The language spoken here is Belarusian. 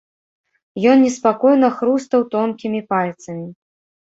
Ён неспакойна хрустаў тонкімі пальцамі.